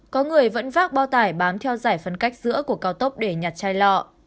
có người vẫn vác bao tải bám theo giải phân cách giữa của cao tốc để nhặt chai lọ